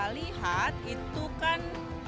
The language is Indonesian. lihat itu kan